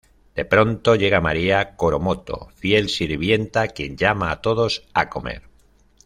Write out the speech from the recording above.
De pronto llega María Coromoto, fiel sirvienta quien llama a todos a comer.